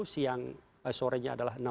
siang sore nya adalah